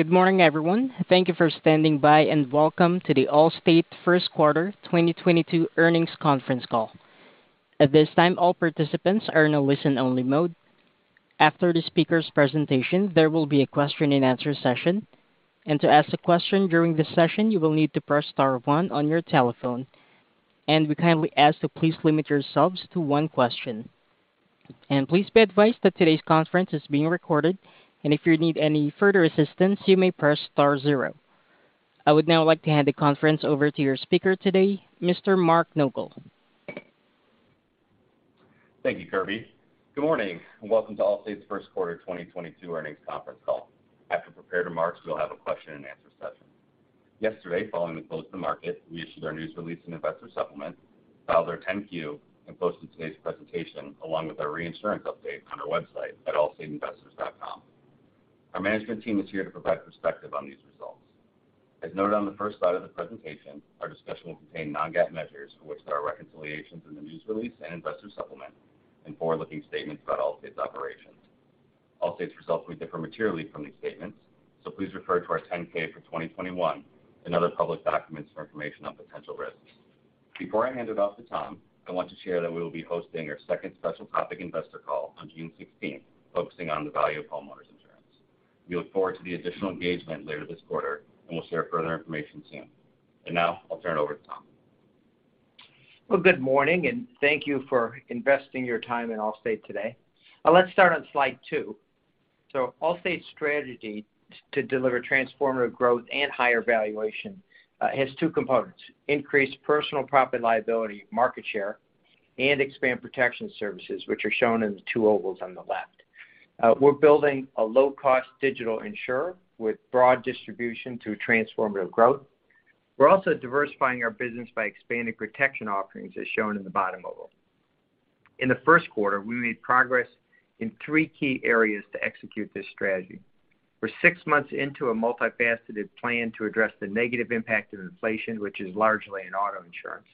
Good morning, everyone. Thank you for standing by, and welcome to the Allstate First Quarter 2022 Earnings Conference Call. At this time, all participants are in a listen-only mode. After the speaker's presentation, there will be a question-and-answer session. To ask a question during this session, you will need to press star one on your telephone. We kindly ask to please limit yourselves to one question. Please be advised that today's conference is being recorded, and if you need any further assistance, you may press star zero. I would now like to hand the conference over to your speaker today, Mr. Mark Nogal. Thank you, Kirby. Good morning, and welcome to Allstate's First Quarter 2022 Earnings Conference Call. After prepared remarks, we'll have a question-and-answer session. Yesterday, following the close of the market, we issued our news release and investor supplement, filed our 10-Q, and posted today's presentation along with our reinsurance update on our website at allstateinvestors.com. Our management team is here to provide perspective on these results. As noted on the first slide of the presentation, our discussion will contain non-GAAP measures for which there are reconciliations in the news release and investor supplement and forward-looking statements about Allstate's operations. Allstate's results may differ materially from these statements, so please refer to our 10-K for 2021 and other public documents for information on potential risks. Before I hand it off to Tom, I want to share that we will be hosting our second special topic investor call on June 16th, focusing on the value of homeowners insurance. We look forward to the additional engagement later this quarter, and we'll share further information soon. Now, I'll turn it over to Tom. Well, good morning, and thank you for investing your time in Allstate today. Let's start on slide two. Allstate's strategy to deliver transformative growth and higher valuation has two components, increase personal property liability market share and expand protection services, which are shown in the two ovals on the left. We're building a low-cost digital insurer with broad distribution through transformative growth. We're also diversifying our business by expanding protection offerings, as shown in the bottom oval. In the first quarter, we made progress in three key areas to execute this strategy. We're six months into a multifaceted plan to address the negative impact of inflation, which is largely in auto insurance.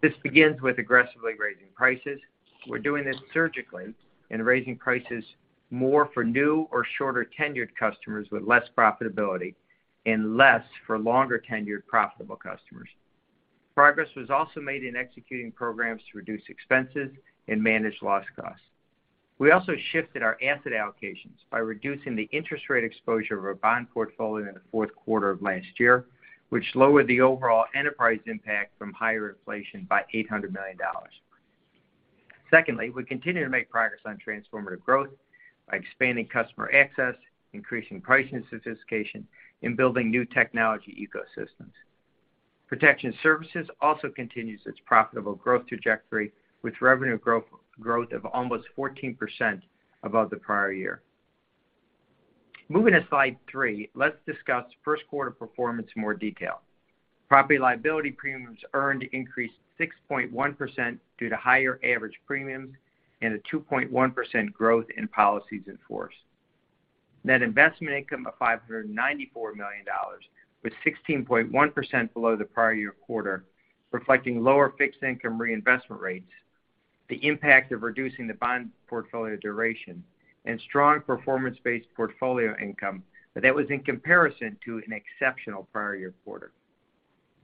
This begins with aggressively raising prices. We're doing this surgically and raising prices more for new or shorter-tenured customers with less profitability and less for longer-tenured profitable customers. Progress was also made in executing programs to reduce expenses and manage loss costs. We also shifted our asset allocations by reducing the interest rate exposure of our bond portfolio in the fourth quarter of last year, which lowered the overall enterprise impact from higher inflation by $800 million. Secondly, we continue to make progress on transformative growth by expanding customer access, increasing pricing sophistication, and building new technology ecosystems. Protection services also continues its profitable growth trajectory, with revenue growth of almost 14% above the prior year. Moving to slide three, let's discuss first quarter performance in more detail. Property liability premiums earned increased 6.1% due to higher average premiums and a 2.1% growth in policies in force. Net investment income of $594 million was 16.1% below the prior year quarter, reflecting lower fixed income reinvestment rates, the impact of reducing the bond portfolio duration, and strong performance-based portfolio income, but that was in comparison to an exceptional prior year quarter.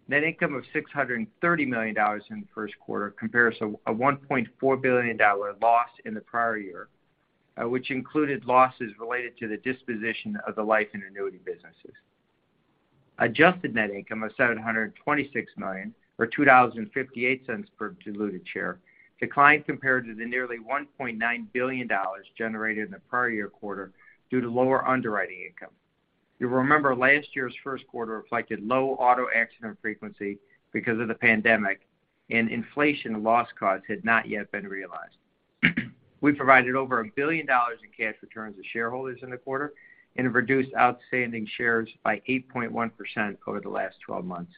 Net income of $630 million in the first quarter compares to a $1.4 billion loss in the prior year, which included losses related to the disposition of the life and annuity businesses. Adjusted net income of $726 million or $2.58 per diluted share declined compared to the nearly $1.9 billion generated in the prior year quarter due to lower underwriting income. You'll remember last year's first quarter reflected low auto accident frequency because of the pandemic and inflation loss costs had not yet been realized. We provided over $1 billion in cash returns to shareholders in the quarter and have reduced outstanding shares by 8.1% over the last twelve months.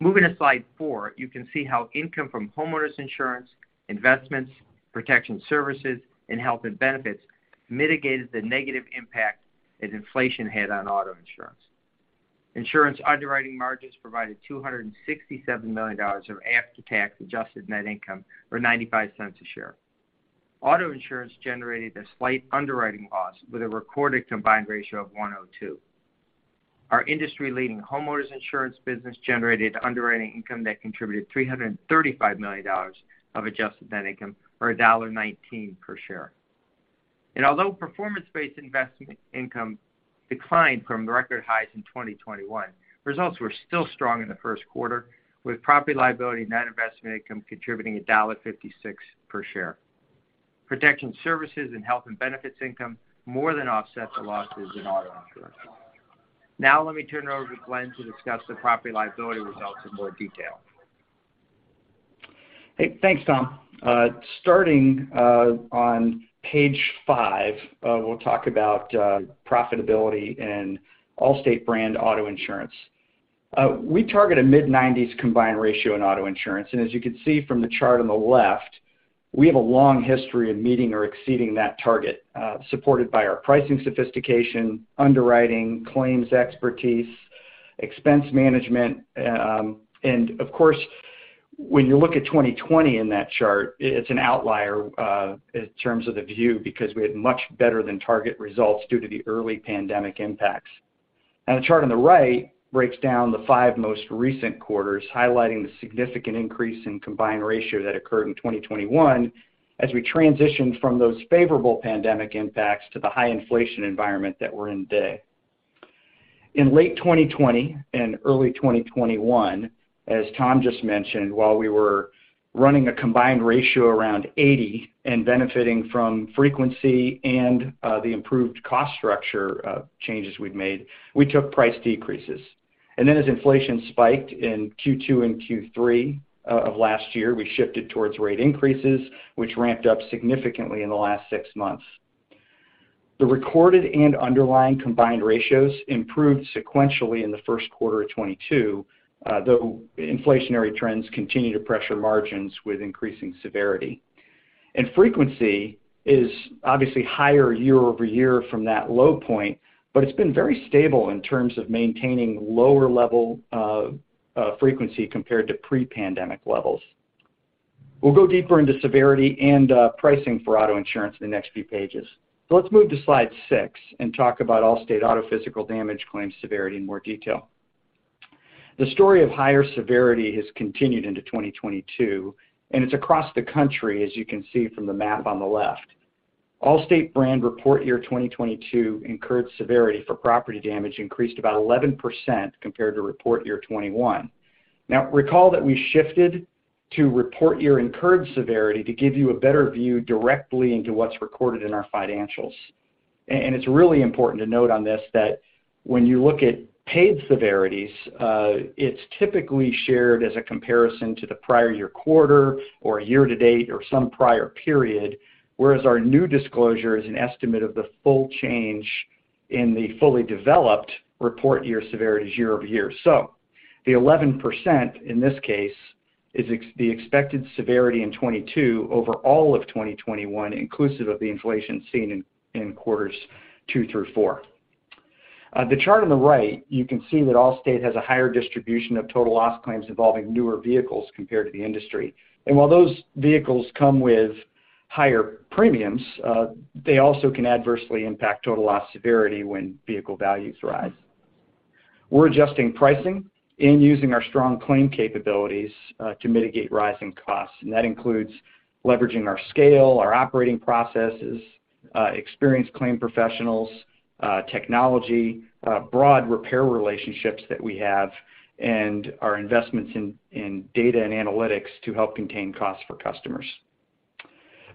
Moving to slide four, you can see how income from homeowners insurance, investments, protection services, and health and benefits mitigated the negative impact that inflation had on auto insurance. Insurance underwriting margins provided $267 million of after-tax adjusted net income, or $0.95 a share. Auto insurance generated a slight underwriting loss with a recorded combined ratio of 102. Our industry-leading homeowners insurance business generated underwriting income that contributed $335 million of adjusted net income, or $1.19 per share. Although performance-based investment income declined from the record highs in 2021, results were still strong in the first quarter, with Property-Liability net investment income contributing $1.56 per share. Protection Services and Health and Benefits income more than offset the losses in auto insurance. Now let me turn it over to Glenn to discuss the Property-Liability results in more detail. Hey, thanks, Tom. Starting on page five, we'll talk about profitability in Allstate brand auto insurance. We target a mid-90s combined ratio in auto insurance, and as you can see from the chart on the left, we have a long history of meeting or exceeding that target, supported by our pricing sophistication, underwriting, claims expertise, expense management, and of course. When you look at 2020 in that chart, it's an outlier in terms of the view because we had much better than target results due to the early pandemic impacts. Now, the chart on the right breaks down the five most recent quarters, highlighting the significant increase in combined ratio that occurred in 2021 as we transitioned from those favorable pandemic impacts to the high inflation environment that we're in today. In late 2020 and early 2021, as Tom just mentioned, while we were running a combined ratio around 80% and benefiting from frequency and the improved cost structure changes we've made, we took price decreases. As inflation spiked in Q2 and Q3 of last year, we shifted towards rate increases, which ramped up significantly in the last six months. The recorded and underlying combined ratios improved sequentially in the first quarter of 2022, though inflationary trends continue to pressure margins with increasing severity. Frequency is obviously higher year over year from that low point, but it's been very stable in terms of maintaining lower level, frequency compared to pre-pandemic levels. We'll go deeper into severity and pricing for auto insurance in the next few pages. Let's move to slide six and talk about Allstate auto physical damage claim severity in more detail. The story of higher severity has continued into 2022, and it's across the country, as you can see from the map on the left. Allstate brand report year 2022 incurred severity for property damage increased about 11% compared to report year 2021. Now, recall that we shifted to report year incurred severity to give you a better view directly into what's recorded in our financials. And it's really important to note on this that when you look at paid severities, it's typically shared as a comparison to the prior year quarter or year to date or some prior period, whereas our new disclosure is an estimate of the full change in the fully developed report year severities year- over -year. The 11%, in this case, is the expected severity in 2022 over all of 2021, inclusive of the inflation seen in quarters two through four. The chart on the right, you can see that Allstate has a higher distribution of total loss claims involving newer vehicles compared to the industry. While those vehicles come with higher premiums, they also can adversely impact total loss severity when vehicle values rise. We're adjusting pricing and using our strong claim capabilities to mitigate rising costs, and that includes leveraging our scale, our operating processes, experienced claim professionals, technology, broad repair relationships that we have, and our investments in data and analytics to help contain costs for customers.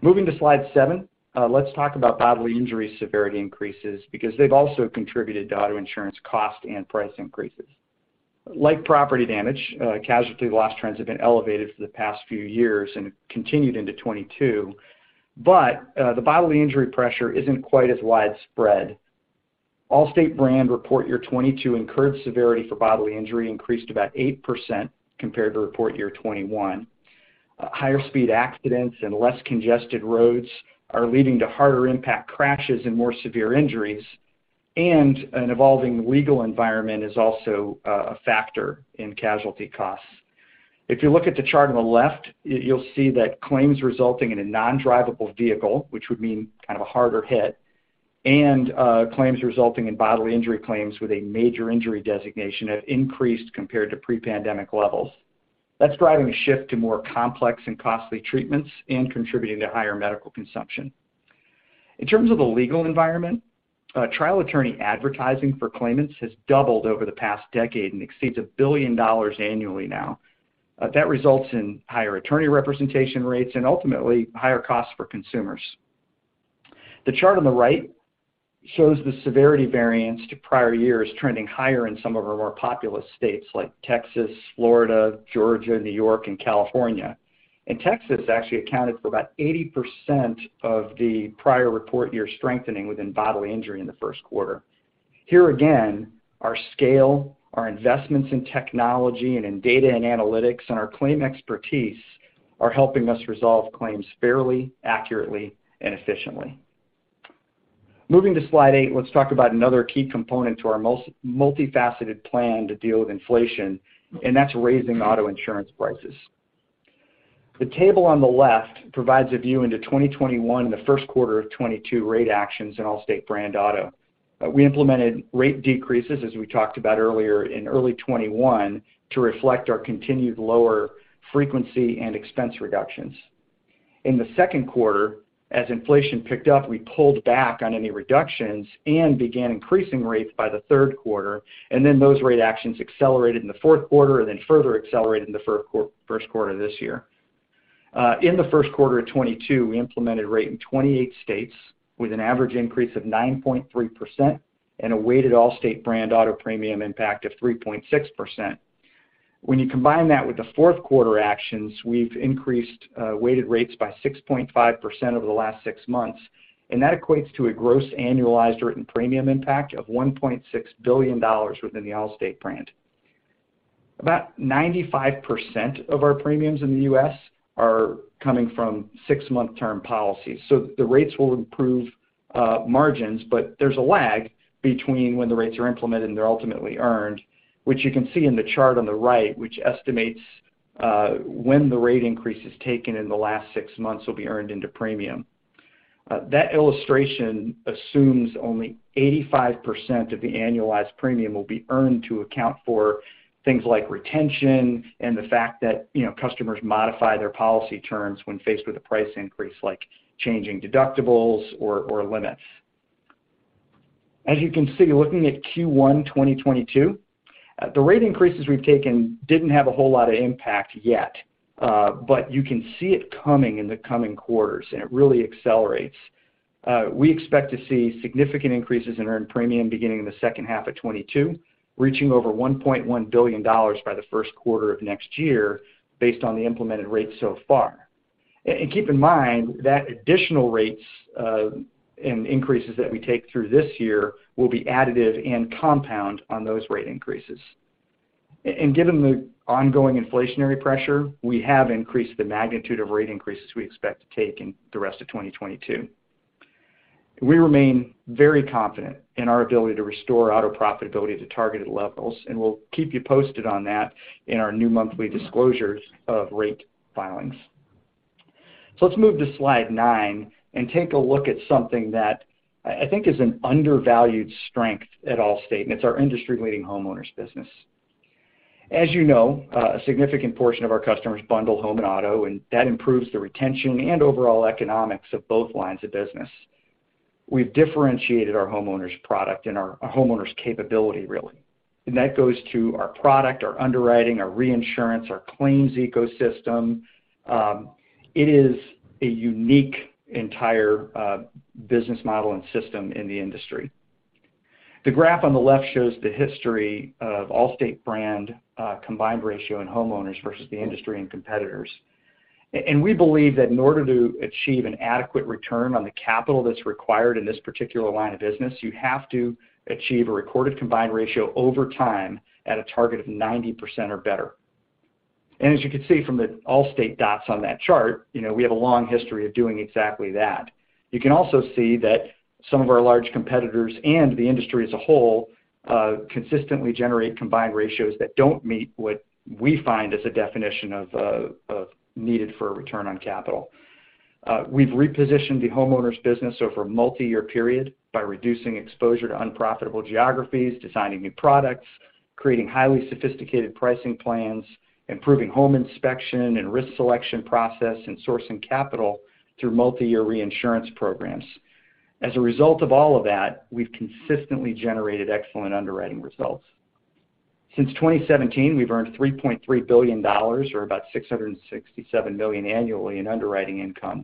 Moving to slide seven, let's talk about bodily injury severity increases because they've also contributed to auto insurance cost and price increases. Like property damage, casualty loss trends have been elevated for the past few years and continued into 2022, but the bodily injury pressure isn't quite as widespread. Allstate brand report year 2022 incurred severity for bodily injury increased about 8% compared to report year 2021. Higher speed accidents and less congested roads are leading to harder impact crashes and more severe injuries, and an evolving legal environment is also a factor in casualty costs. If you look at the chart on the left, you'll see that claims resulting in a non-drivable vehicle, which would mean kind of a harder hit, and claims resulting in bodily injury claims with a major injury designation have increased compared to pre-pandemic levels. That's driving a shift to more complex and costly treatments and contributing to higher medical consumption. In terms of the legal environment, trial attorney advertising for claimants has doubled over the past decade and exceeds $1 billion annually now. That results in higher attorney representation rates and ultimately higher costs for consumers. The chart on the right shows the severity variance to prior years trending higher in some of our more populous states like Texas, Florida, Georgia, New York, and California. Texas actually accounted for about 80% of the prior report year strengthening within bodily injury in the first quarter. Here again, our scale, our investments in technology and in data and analytics, and our claim expertise are helping us resolve claims fairly, accurately, and efficiently. Moving to slide eight, let's talk about another key component to our multifaceted plan to deal with inflation, and that's raising auto insurance prices. The table on the left provides a view into 2021 and the first quarter of 2022 rate actions in Allstate brand auto. We implemented rate decreases, as we talked about earlier, in early 2021 to reflect our continued lower frequency and expense reductions. In the second quarter, as inflation picked up, we pulled back on any reductions and began increasing rates by the third quarter, and then those rate actions accelerated in the fourth quarter and then further accelerated in the first quarter this year. In the first quarter of 2022, we implemented rate in 28 states with an average increase of 9.3% and a weighted Allstate brand auto premium impact of 3.6%. When you combine that with the fourth quarter actions, we've increased weighted rates by 6.5% over the last six months, and that equates to a gross annualized written premium impact of $1.6 billion within the Allstate brand. About 95% of our premiums in the U.S. are coming from six-month term policies, so the rates will improve margins, but there's a lag between when the rates are implemented and they're ultimately earned, which you can see in the chart on the right, which estimates when the rate increase is taken in the last six months will be earned into premium. That illustration assumes only 85% of the annualized premium will be earned to account for things like retention and the fact that, you know, customers modify their policy terms when faced with a price increase, like changing deductibles or limits. As you can see, looking at Q1 2022, the rate increases we've taken didn't have a whole lot of impact yet, but you can see it coming in the coming quarters, and it really accelerates. We expect to see significant increases in earned premium beginning in the second half of 2022, reaching over $1.1 billion by the first quarter of next year based on the implemented rates so far. And keep in mind that additional rates and increases that we take through this year will be additive and compound on those rate increases. Given the ongoing inflationary pressure, we have increased the magnitude of rate increases we expect to take in the rest of 2022. We remain very confident in our ability to restore auto profitability to targeted levels, and we'll keep you posted on that in our new monthly disclosures of rate filings. Let's move to slide nine and take a look at something that I think is an undervalued strength at Allstate, and it's our industry-leading homeowners business. As you know, a significant portion of our customers bundle home and auto, and that improves the retention and overall economics of both lines of business. We've differentiated our homeowners product and our homeowners capability, really, and that goes to our product, our underwriting, our reinsurance, our claims ecosystem. It is a unique entire business model and system in the industry. The graph on the left shows the history of Allstate brand combined ratio in homeowners versus the industry and competitors. We believe that in order to achieve an adequate return on the capital that's required in this particular line of business, you have to achieve a recorded combined ratio over time at a target of 90% or better. As you can see from the Allstate dots on that chart, you know, we have a long history of doing exactly that. You can also see that some of our large competitors and the industry as a whole consistently generate combined ratios that don't meet what we find is a definition of needed for a return on capital. We've repositioned the homeowners business over a multi-year period by reducing exposure to unprofitable geographies, designing new products, creating highly sophisticated pricing plans, improving home inspection and risk selection process, and sourcing capital through multi-year reinsurance programs. As a result of all of that, we've consistently generated excellent underwriting results. Since 2017, we've earned $3.3 billion, or about $667 million annually in underwriting income,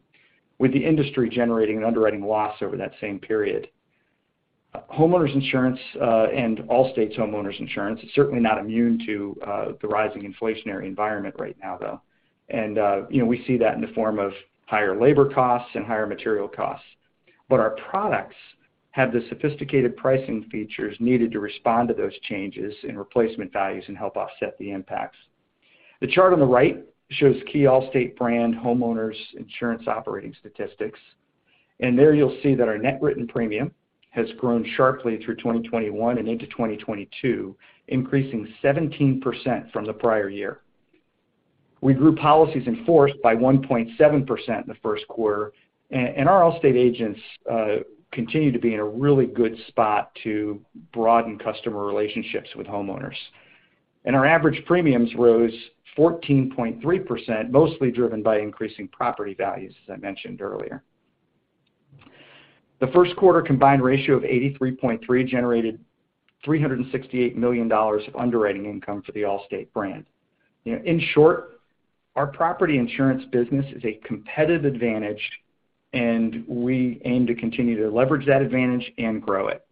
with the industry generating an underwriting loss over that same period. Homeowners insurance and Allstate's homeowners insurance is certainly not immune to the rising inflationary environment right now, though. You know, we see that in the form of higher labor costs and higher material costs. Our products have the sophisticated pricing features needed to respond to those changes in replacement values and help offset the impacts. The chart on the right shows key Allstate brand homeowners insurance operating statistics. There you'll see that our net written premium has grown sharply through 2021 and into 2022, increasing 17% from the prior year. We grew policies in force by 1.7% in the first quarter, and our Allstate agents continue to be in a really good spot to broaden customer relationships with homeowners. Our average premiums rose 14.3%, mostly driven by increasing property values, as I mentioned earlier. The first quarter combined ratio of 83.3 generated $368 million of underwriting income for the Allstate brand. You know, in short, our property insurance business is a competitive advantage, and we aim to continue to leverage that advantage and grow it.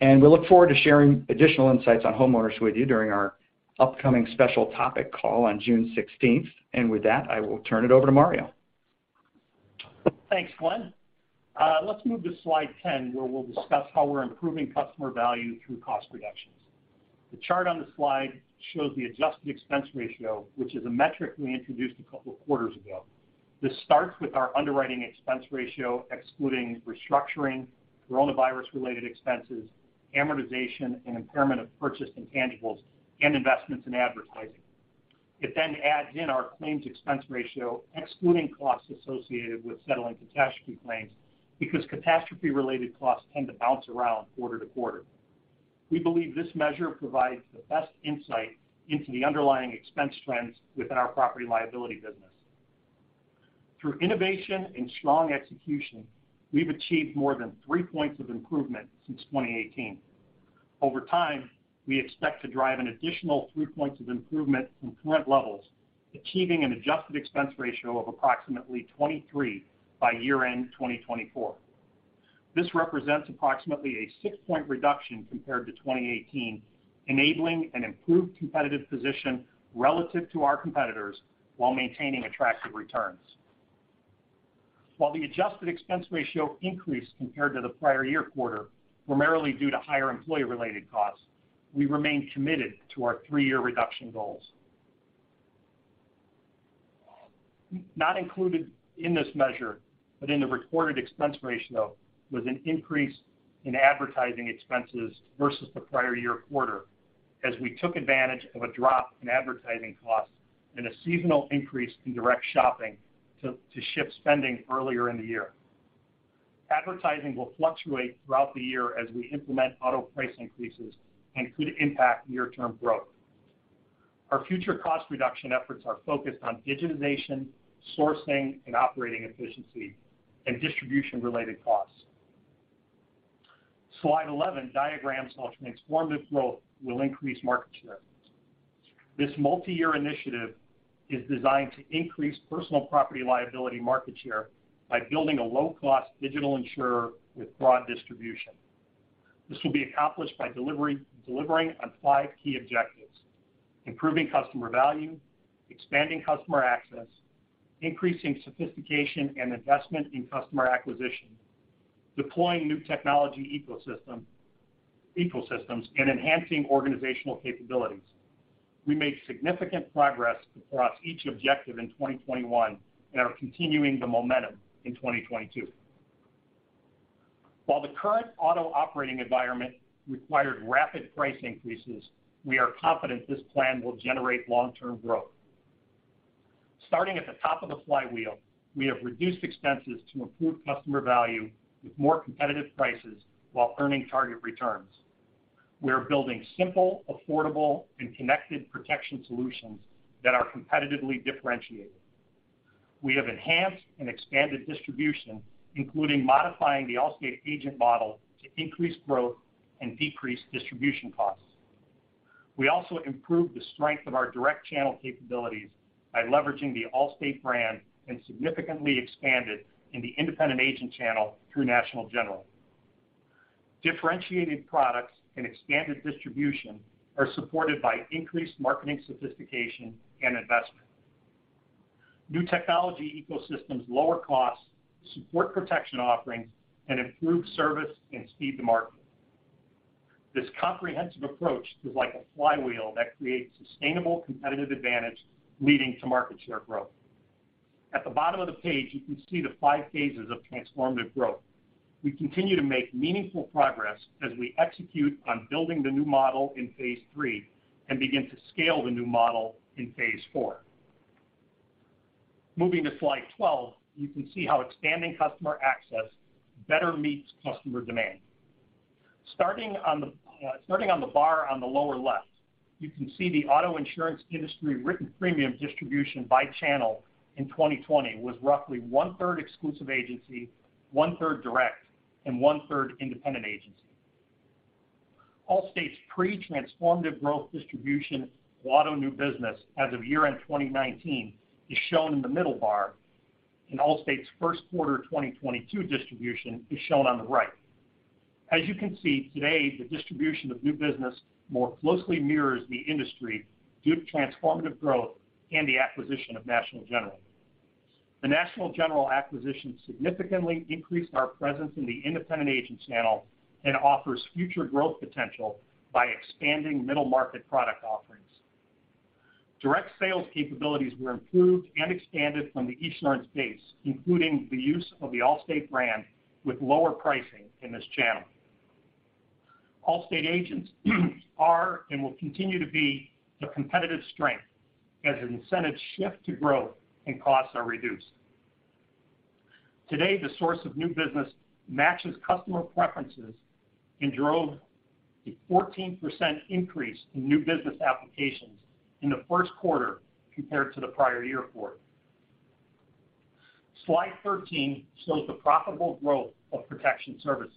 We look forward to sharing additional insights on homeowners with you during our upcoming special topic call on June sixteenth. With that, I will turn it over to Mario. Thanks, Glenn. Let's move to slide 10, where we'll discuss how we're improving customer value through cost reductions. The chart on the slide shows the adjusted expense ratio, which is a metric we introduced a couple of quarters ago. This starts with our underwriting expense ratio, excluding restructuring, coronavirus-related expenses, amortization, and impairment of purchased intangibles and investments in advertising. It then adds in our claims expense ratio, excluding costs associated with settling catastrophe claims, because catastrophe-related costs tend to bounce around quarter to quarter. We believe this measure provides the best insight into the underlying expense trends within our Property-Liability business. Through innovation and strong execution, we've achieved more than three points of improvement since 2018. Over time, we expect to drive an additional three points of improvement from current levels, achieving an adjusted expense ratio of approximately 23 by year-end 2024. This represents approximately a six-point reduction compared to 2018, enabling an improved competitive position relative to our competitors while maintaining attractive returns. While the adjusted expense ratio increased compared to the prior year quarter, primarily due to higher employee-related costs, we remain committed to our three-year reduction goals. Not included in this measure, but in the recorded expense ratio, was an increase in advertising expenses versus the prior year quarter as we took advantage of a drop in advertising costs and a seasonal increase in direct shopping to shift spending earlier in the year. Advertising will fluctuate throughout the year as we implement auto price increases and could impact year term growth. Our future cost reduction efforts are focused on digitization, sourcing, and operating efficiency and distribution related costs. Slide 11 diagrams how transformative growth will increase market share. This multi-year initiative is designed to increase personal property liability market share by building a low-cost digital insurer with broad distribution. This will be accomplished by delivering on five key objectives. Improving customer value, expanding customer access, increasing sophistication and investment in customer acquisition, deploying new technology ecosystems, and enhancing organizational capabilities. We made significant progress across each objective in 2021, and are continuing the momentum in 2022. While the current auto operating environment required rapid price increases, we are confident this plan will generate long-term growth. Starting at the top of the flywheel, we have reduced expenses to improve customer value with more competitive prices, while earning target returns. We are building simple, affordable, and connected protection solutions that are competitively differentiated. We have enhanced and expanded distribution, including modifying the Allstate agent model to increase growth and decrease distribution costs. We also improved the strength of our direct channel capabilities by leveraging the Allstate brand, and significantly expanded in the independent agent channel through National General. Differentiated products and expanded distribution are supported by increased marketing sophistication and investment. New technology ecosystems lower costs, support protection offerings, and improve service and speed to market. This comprehensive approach is like a flywheel that creates sustainable competitive advantage, leading to market share growth. At the bottom of the page, you can see the five phases of transformative growth. We continue to make meaningful progress as we execute on building the new model in phase III, and begin to scale the new model in phase IV. Moving to slide 12, you can see how expanding customer access better meets customer demand. Starting on the bar on the lower left, you can see the auto insurance industry written premium distribution by channel in 2020 was roughly 1/3 exclusive agency, 1/3 direct, and 1/3 independent agency. Allstate's pre-transformative growth distribution of auto new business as of year-end 2019 is shown in the middle bar, and Allstate's first quarter 2022 distribution is shown on the right. As you can see, today, the distribution of new business more closely mirrors the industry due to transformative growth and the acquisition of National General. The National General acquisition significantly increased our presence in the independent agent channel and offers future growth potential by expanding middle market product offerings. Direct sales capabilities were improved and expanded from the Esurance base, including the use of the Allstate brand with lower pricing in this channel. Allstate agents are, and will continue to be, the competitive strength as incentives shift to growth and costs are reduced. Today, the source of new business matches customer preferences and drove a 14% increase in new business applications in the first quarter compared to the prior-year quarter. Slide 13 shows the profitable growth of protection services.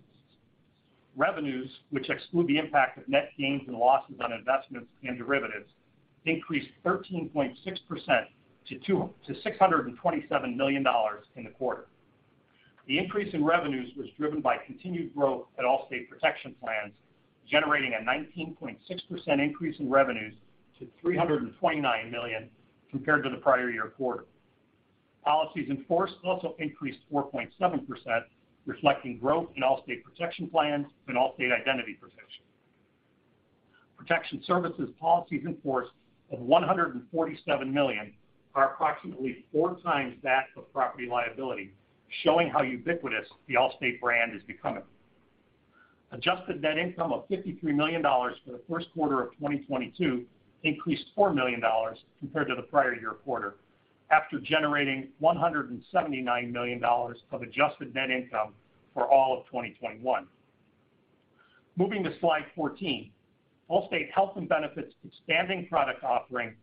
Revenues, which exclude the impact of net gains and losses on investments and derivatives, increased 13.6% to $627 million in the quarter. The increase in revenues was driven by continued growth at Allstate Protection Plans, generating a 19.6% increase in revenues to $329 million compared to the prior-year quarter. Policies in force also increased 4.7%, reflecting growth in Allstate Protection Plans and Allstate Identity Protection. Protection services policies in force of 147 million are approximately four times that of property liability, showing how ubiquitous the Allstate brand is becoming. Adjusted net income of $53 million for the first quarter of 2022 increased $4 million compared to the prior year quarter, after generating $179 million of adjusted net income for all of 2021. Moving to slide 14. Allstate Health and Benefits expanding product offering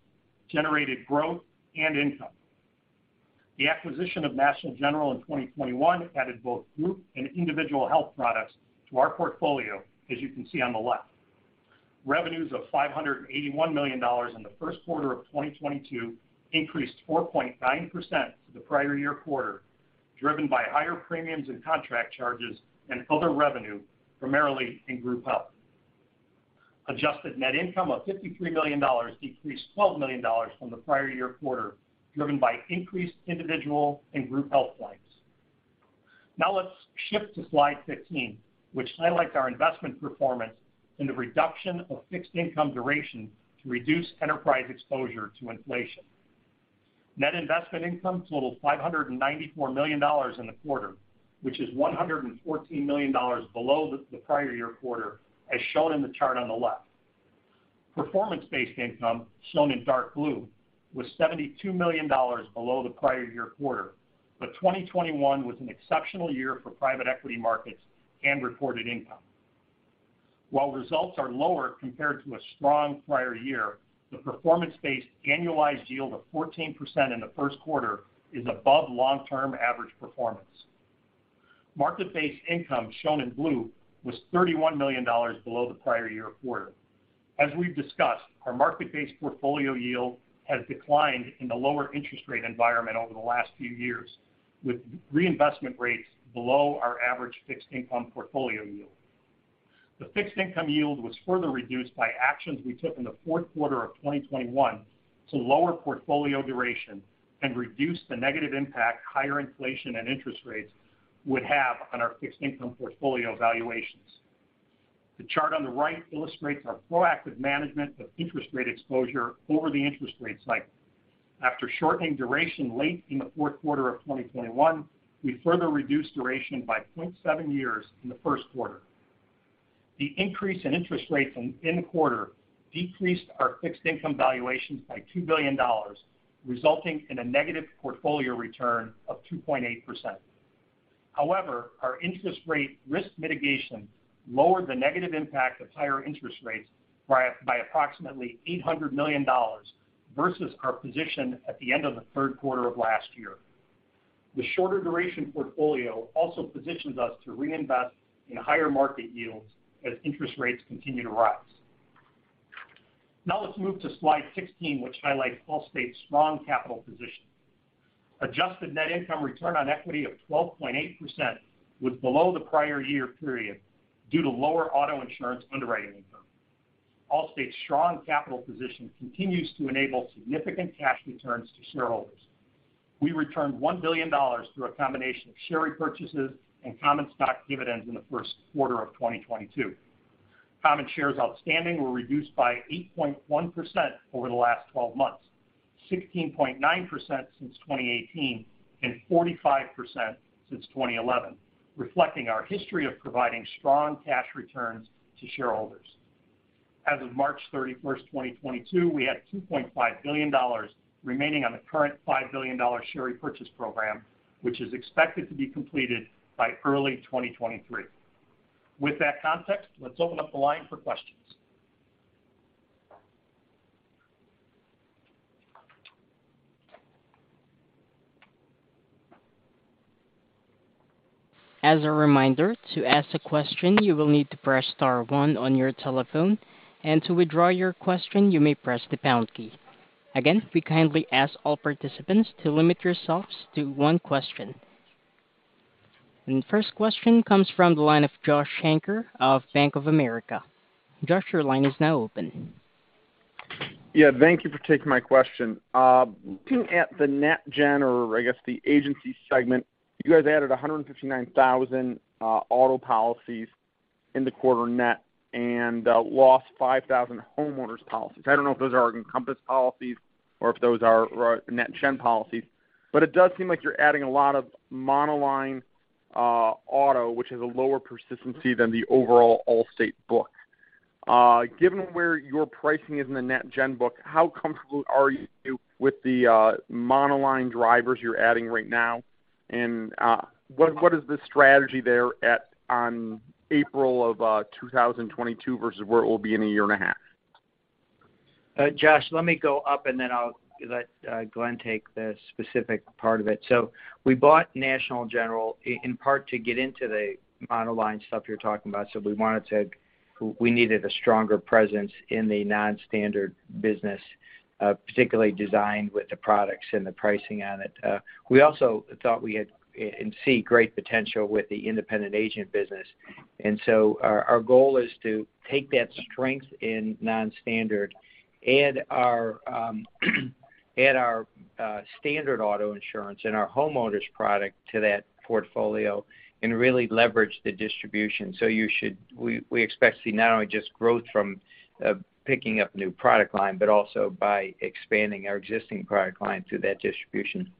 generated growth and income. The acquisition of National General in 2021 added both group and individual health products to our portfolio, as you can see on the left. Revenues of $581 million in the first quarter of 2022 increased 4.9% to the prior year quarter, driven by higher premiums and contract charges and other revenue, primarily in group health. Adjusted net income of $53 million decreased $12 million from the prior year quarter, driven by increased individual and group health lines. Now let's shift to slide 15, which highlights our investment performance and the reduction of fixed income duration to reduce enterprise exposure to inflation. Net investment income totaled $594 million in the quarter, which is $114 million below the prior year quarter, as shown in the chart on the left. Performance-based income, shown in dark blue, was $72 million below the prior year quarter, but 2021 was an exceptional year for private equity markets and reported income. While results are lower compared to a strong prior year, the performance-based annualized yield of 14% in the first quarter is above long-term average performance. Market-based income, shown in blue, was $31 million below the prior year quarter. As we've discussed, our market-based portfolio yield has declined in the lower interest rate environment over the last few years, with reinvestment rates below our average fixed income portfolio yield. The fixed income yield was further reduced by actions we took in the fourth quarter of 2021 to lower portfolio duration and reduce the negative impact higher inflation and interest rates would have on our fixed income portfolio valuations. The chart on the right illustrates our proactive management of interest rate exposure over the interest rate cycle. After shortening duration late in the fourth quarter of 2021, we further reduced duration by 0.7 years in the first quarter. The increase in interest rates in the quarter decreased our fixed income valuations by $2 billion, resulting in a negative portfolio return of 2.8%. However, our interest rate risk mitigation lowered the negative impact of higher interest rates by approximately $800 million versus our position at the end of the third quarter of last year. The shorter duration portfolio also positions us to reinvest in higher market yields as interest rates continue to rise. Now let's move to slide 16, which highlights Allstate's strong capital position. Adjusted Net Income Return on Equity of 12.8% was below the prior year period due to lower auto insurance underwriting income. Allstate's strong capital position continues to enable significant cash returns to shareholders. We returned $1 billion through a combination of share repurchases and common stock dividends in the first quarter of 2022. Common shares outstanding were reduced by 8.1% over the last 12 months, 16.9% since 2018, and 45% since 2011, reflecting our history of providing strong cash returns to shareholders. As of March 31, 2022, we had $2.5 billion remaining on the current $5 billion share repurchase program, which is expected to be completed by early 2023. With that context, let's open up the line for questions. As a reminder, to ask a question, you will need to press star one on your telephone, and to withdraw your question, you may press the pound key. Again, we kindly ask all participants to limit yourselves to one question. First question comes from the line of Joshua Shanker of Bank of America. Josh, your line is now open. Yeah. Thank you for taking my question. Looking at the National General, or I guess the agency segment, you guys added 159,000 auto policies in the quarter net and lost 5,000 homeowners policies. I don't know if those are Encompass policies or if those are National General policies, but it does seem like you're adding a lot of monoline auto, which has a lower persistency than the overall Allstate book. Given where your pricing is in the National General book, how comfortable are you with the monoline drivers you're adding right now? And what is the strategy there on April of 2022 versus where it will be in a year and a half? Josh, let me go up, and then I'll let Glen take the specific part of it. We bought National General in part to get into the monoline stuff you're talking about. We wanted to. We needed a stronger presence in the non-standard business, particularly designed with the products and the pricing on it. We also thought we had, and see great potential with the independent agent business. Our goal is to take that strength in non-standard, add our standard auto insurance and our homeowners product to that portfolio and really leverage the distribution. We expect to see not only just growth from picking up new product line, but also by expanding our existing product line through that distribution.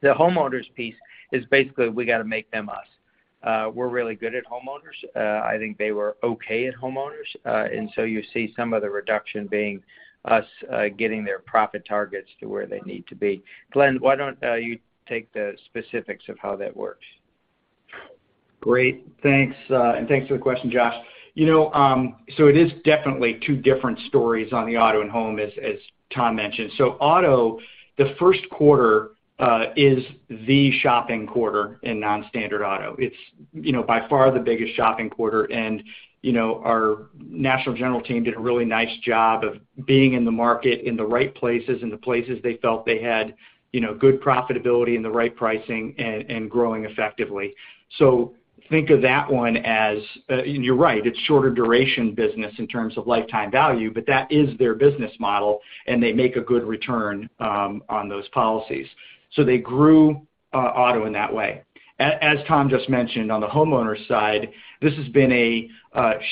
The homeowners piece is basically we got to make them us. We're really good at homeowners. I think they were okay at homeowners. You see some of the reduction being us getting their profit targets to where they need to be. Glenn, why don't you take the specifics of how that works? Great. Thanks, and thanks for the question, Josh. You know, so it is definitely two different stories on the auto and home, as Tom mentioned. Auto, the first quarter is the shopping quarter in non-standard auto. It's, you know, by far the biggest shopping quarter. You know, our National General team did a really nice job of being in the market in the right places, in the places they felt they had, you know, good profitability and the right pricing and growing effectively. Think of that one as, and you're right, it's shorter duration business in terms of lifetime value, but that is their business model, and they make a good return on those policies. They grew auto in that way. As Tom just mentioned, on the homeowners side, this has been a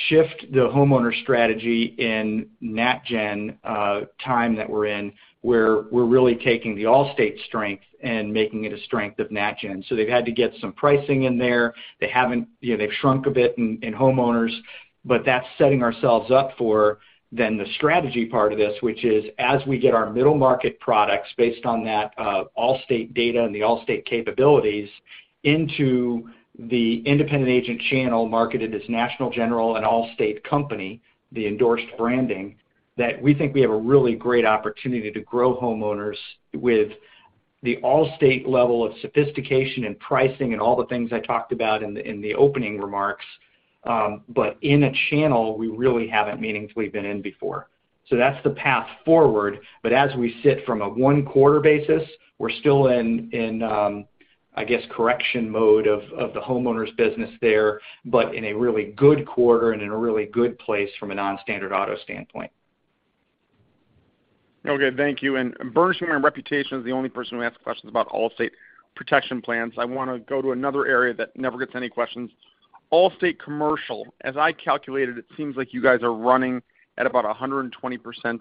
shift in the homeowner strategy in NatGen time that we're in, where we're really taking the Allstate strength and making it a strength of NatGen. They've had to get some pricing in there. They haven't, you know, they've shrunk a bit in homeowners, but that's setting ourselves up for then the strategy part of this, which is, as we get our middle market products based on that, Allstate data and the Allstate capabilities into the independent agent channel marketed as National General and Allstate company, the endorsed branding, that we think we have a really great opportunity to grow homeowners with the Allstate level of sophistication and pricing and all the things I talked about in the opening remarks, but in a channel we really haven't meaningfully been in before. That's the path forward. But as we sit from a one quarter basis, we're still in I guess, correction mode of the homeowners business there, but in a really good quarter and in a really good place from a non-standard auto standpoint. Okay, thank you. Bernsen, my reputation as the only person who asks questions about Allstate Protection Plans, I wanna go to another area that never gets any questions. Allstate commercial, as I calculated, it seems like you guys are running at about 100%,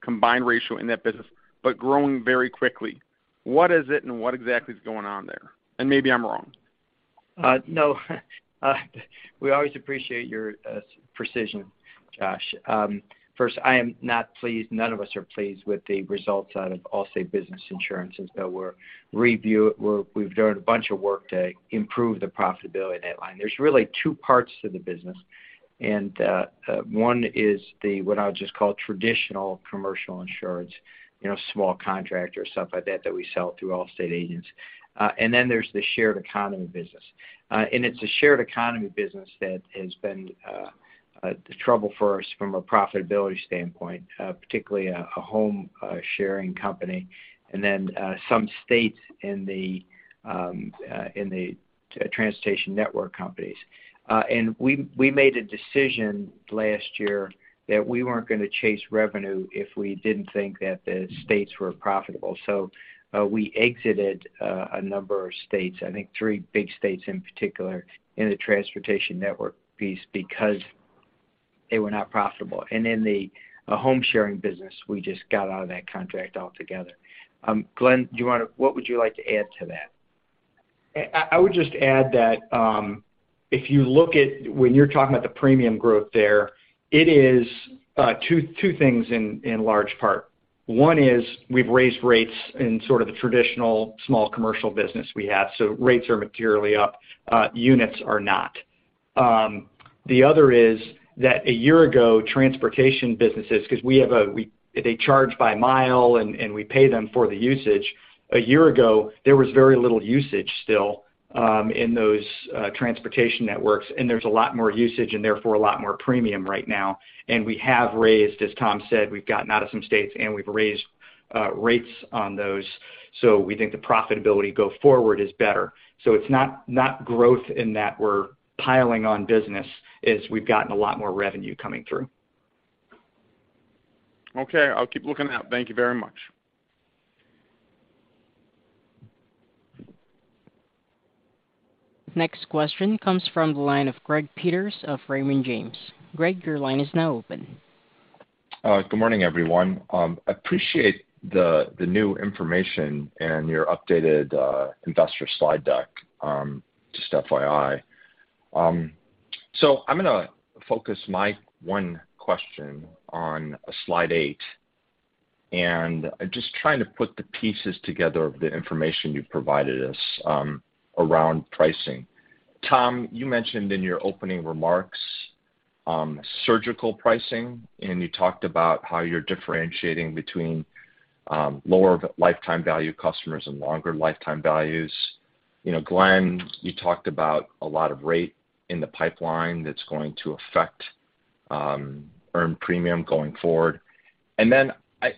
combined ratio in that business, but growing very quickly. What is it, and what exactly is going on there? Maybe I'm wrong. No. We always appreciate your precision, Josh. First, I am not pleased, none of us are pleased with the results out of Allstate Business Insurance, so we've done a bunch of work to improve the profitability in that line. There's really two parts to the business. One is the, what I'll just call traditional commercial insurance, you know, small contractors, stuff like that we sell through Allstate agents. Then there's the shared economy business. It's the shared economy business that has been the trouble for us from a profitability standpoint, particularly a home sharing company, and then some states in the transportation network companies. We made a decision last year that we weren't gonna chase revenue if we didn't think that the states were profitable. We exited a number of states, I think three big states in particular, in the transportation network piece because they were not profitable. In the home sharing business, we just got out of that contract altogether. Glenn, what would you like to add to that? I would just add that if you look at when you're talking about the premium growth there, it is two things in large part. One is we've raised rates in sort of the traditional small commercial business we have. Rates are materially up, units are not. The other is that a year ago, transportation businesses, because they charge by mile and we pay them for the usage, there was very little usage still in those transportation networks, and there's a lot more usage and therefore a lot more premium right now. We have raised, as Tom said, we've gotten out of some states, and we've raised rates on those. We think the profitability going forward is better. It's not growth in that we're piling on business. We've gotten a lot more revenue coming through. Okay. I'll keep looking out. Thank you very much. Next question comes from the line of Greg Peters of Raymond James. Greg, your line is now open. Good morning, everyone. Appreciate the new information and your updated investor slide deck, just FYI. I'm gonna focus my one question on slide eight, and just trying to put the pieces together of the information you've provided us around pricing. Tom, you mentioned in your opening remarks surgical pricing, and you talked about how you're differentiating between lower lifetime value customers and longer lifetime values. You know, Glenn, you talked about a lot of rate in the pipeline that's going to affect earned premium going forward. I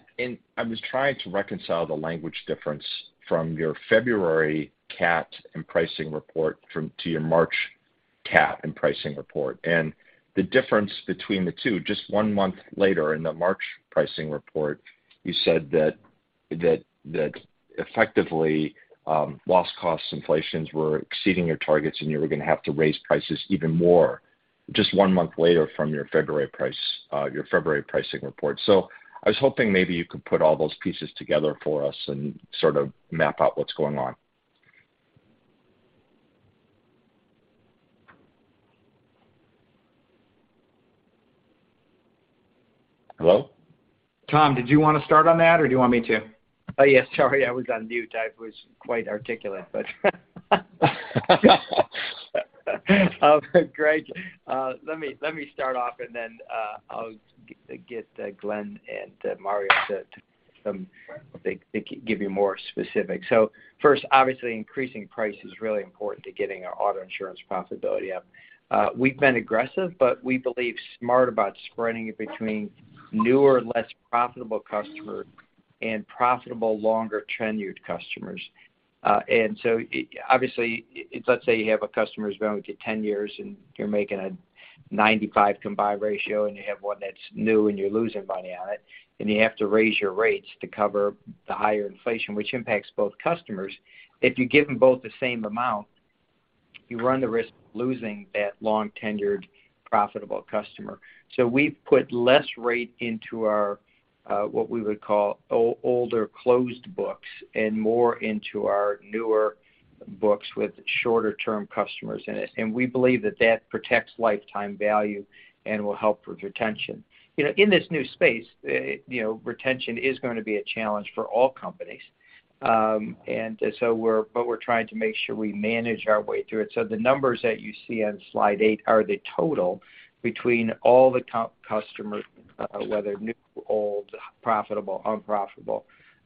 was trying to reconcile the language difference from your February CAT and pricing report to your March CAT and pricing report. The difference between the two, just one month later in the March pricing report, you said that effectively loss costs inflations were exceeding your targets and you were gonna have to raise prices even more just one month later from your February price, your February pricing report. I was hoping maybe you could put all those pieces together for us and sort of map out what's going on. Hello? Tom, did you wanna start on that, or do you want me to? Oh, yeah, sorry. I was on mute. I was quite articulate, but Greg, let me start off, and then I'll get Glenn and Mario to come. They can give you more specifics. First, obviously, increasing price is really important to getting our auto insurance profitability up. We've been aggressive, but we believe smart about spreading it between newer and less profitable customers and profitable longer tenured customers. Obviously, if let's say you have a customer who's been with you 10 years, and you're making a 95 combined ratio, and you have one that's new, and you're losing money on it, then you have to raise your rates to cover the higher inflation, which impacts both customers. If you give them both the same amount, you run the risk of losing that long-tenured profitable customer. We've put less rate into our what we would call older closed books and more into our newer books with shorter-term customers in it. We believe that protects lifetime value and will help with retention. You know, in this new space, you know, retention is gonna be a challenge for all companies. We're trying to make sure we manage our way through it. The numbers that you see on slide eight are the total between all the customers, whether new or old, profitable, unprofitable,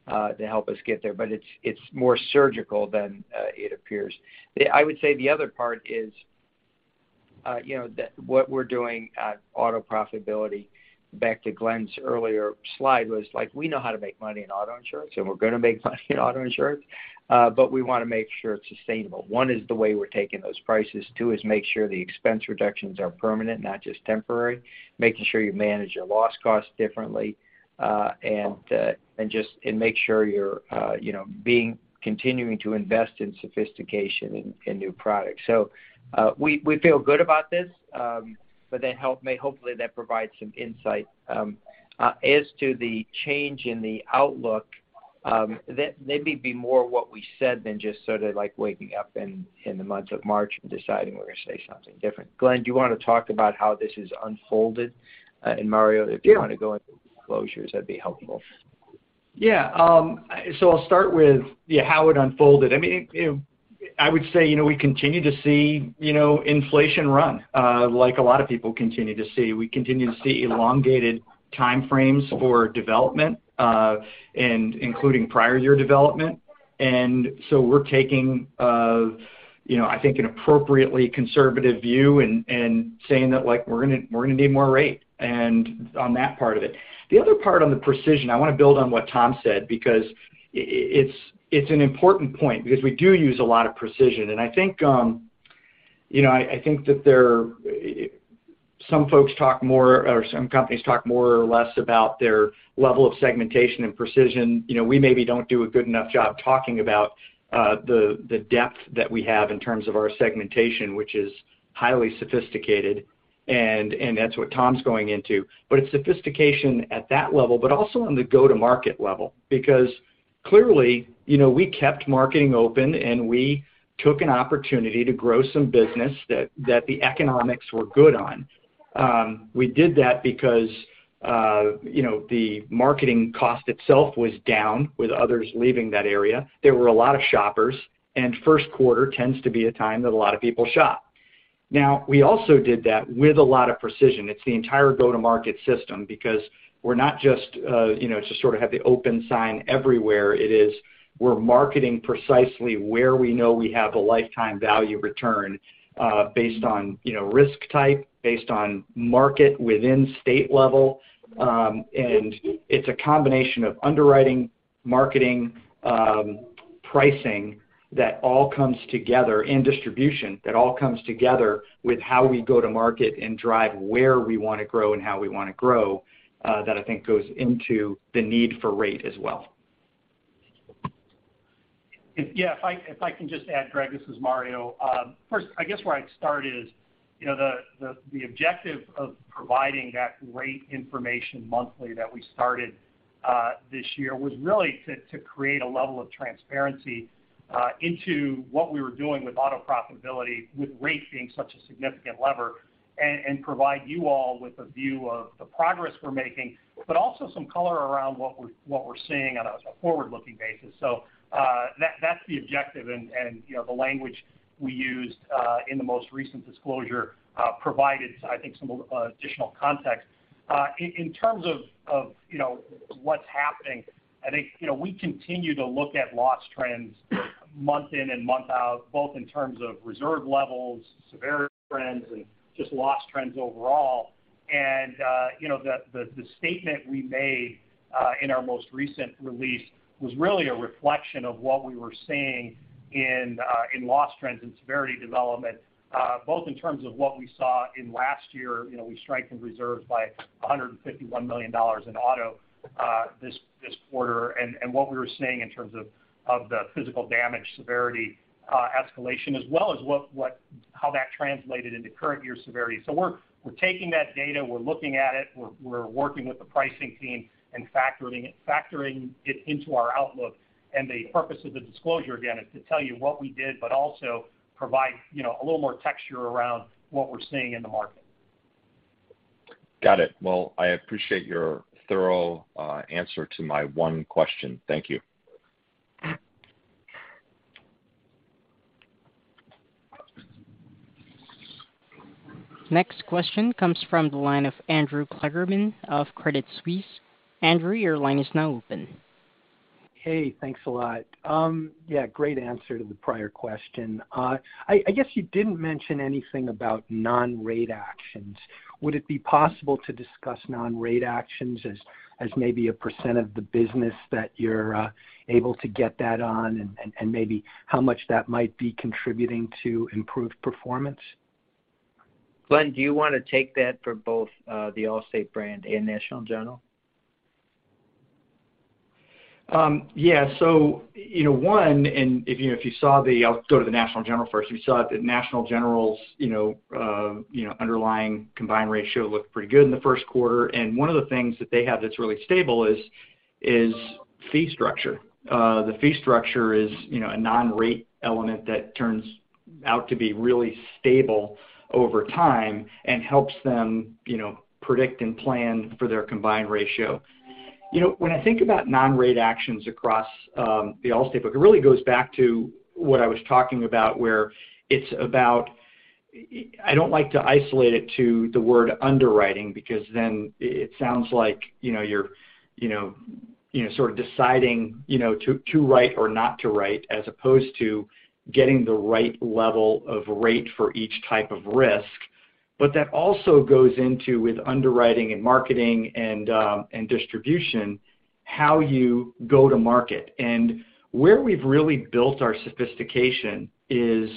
to help us get there. It's more surgical than it appears. I would say the other part is, you know, that's what we're doing at auto profitability, back to Glenn's earlier slide, like we know how to make money in auto insurance, and we're gonna make money in auto insurance, but we wanna make sure it's sustainable. One is the way we're taking those prices. Two is make sure the expense reductions are permanent, not just temporary, making sure you manage your loss costs differently, and make sure you're continuing to invest in sophistication in new products. We feel good about this, but hopefully that provides some insight. As to the change in the outlook, that may be more what we said than just sort of like waking up in the month of March and deciding we're gonna say something different. Glenn, do you wanna talk about how this is unfolded? Mario, if you wanna go into the disclosures, that'd be helpful. So I'll start with yeah, how it unfolded. I mean, you know, I would say, you know, we continue to see, you know, inflation run, like a lot of people continue to see. We continue to see elongated time frames for development, and including prior year development. We're taking, you know, I think an appropriately conservative view and saying that, like, we're gonna need more rate and on that part of it. The other part on the precision, I wanna build on what Tom said because it's an important point because we do use a lot of precision. I think, you know, that some folks talk more or some companies talk more or less about their level of segmentation and precision. You know, we maybe don't do a good enough job talking about the depth that we have in terms of our segmentation, which is highly sophisticated and that's what Tom's going into. It's sophistication at that level, but also on the go-to-market level. Because clearly, you know, we kept marketing open, and we took an opportunity to grow some business that the economics were good on. We did that because you know, the marketing cost itself was down with others leaving that area. There were a lot of shoppers, and first quarter tends to be a time that a lot of people shop. Now, we also did that with a lot of precision. It's the entire go-to-market system because we're not just you know, to sort of have the open sign everywhere. It's where we're marketing precisely where we know we have a lifetime value return, based on, you know, risk type, based on market within state level. It's a combination of underwriting, marketing, pricing that all comes together in distribution, that all comes together with how we go to market and drive where we wanna grow and how we wanna grow, that I think goes into the need for rate as well. Yeah. If I can just add, Greg, this is Mario. First, I guess where I'd start is, you know, the objective of providing that rate information monthly that we started this year was really to create a level of transparency into what we were doing with auto profitability, with rate being such a significant lever, and provide you all with a view of the progress we're making, but also some color around what we're seeing on a forward-looking basis. That's the objective and, you know, the language we used in the most recent disclosure provided, I think, some additional context. In terms of, you know, what's happening, I think, you know, we continue to look at loss trends month in and month out, both in terms of reserve levels, severity trends, and just loss trends overall. You know, the statement we made in our most recent release was really a reflection of what we were seeing in loss trends and severity development, both in terms of what we saw in last year. You know, we strengthened reserves by $151 million in auto, this quarter. What we were seeing in terms of the physical damage severity escalation, as well as how that translated into current year severity. We're taking that data, we're looking at it, we're working with the pricing team and factoring it into our outlook. The purpose of the disclosure, again, is to tell you what we did, but also provide, you know, a little more texture around what we're seeing in the market. Got it. Well, I appreciate your thorough answer to my one question. Thank you. Next question comes from the line of Andrew Kligerman of Credit Suisse. Andrew, your line is now open. Hey, thanks a lot. Yeah, great answer to the prior question. I guess you didn't mention anything about non-rate actions. Would it be possible to discuss non-rate actions as maybe a percent of the business that you're able to get that on and maybe how much that might be contributing to improved performance? Glenn, do you wanna take that for both, the Allstate brand and National General? Yeah. You know, if you saw, I'll go to the National General first. We saw that National General's underlying combined ratio looked pretty good in the first quarter. One of the things that they have that's really stable is fee structure. The fee structure is a non-rate element that turns out to be really stable over time and helps them predict and plan for their combined ratio. You know, when I think about non-rate actions across the Allstate book, it really goes back to what I was talking about, where it's about. I don't like to isolate it to the word underwriting, because then it sounds like you know you're you know sort of deciding you know to write or not to write, as opposed to getting the right level of rate for each type of risk. That also goes into with underwriting and marketing and distribution, how you go to market. Where we've really built our sophistication is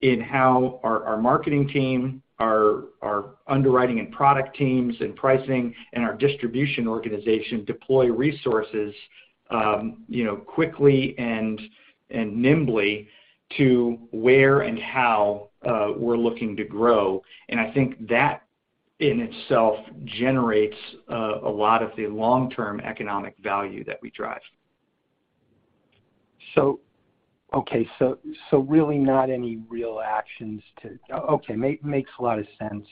in how our marketing team, our underwriting and product teams and pricing and our distribution organization deploy resources you know quickly and nimbly to where and how we're looking to grow. I think that in itself generates a lot of the long-term economic value that we drive. Makes a lot of sense.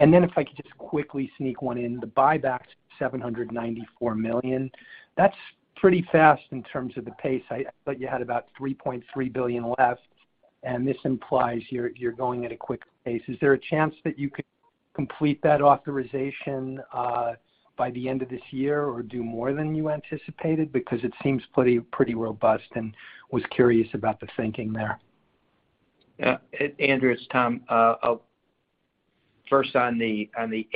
If I could just quickly sneak one in, the buybacks, $794 million, that's pretty fast in terms of the pace. I thought you had about $3.3 billion left, and this implies you're going at a quick pace. Is there a chance that you could complete that authorization by the end of this year or do more than you anticipated? Because it seems pretty robust, and was curious about the thinking there. Andrew, it's Tom. First on the